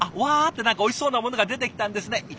「わあ！」って何かおいしそうなものが出てきたんですね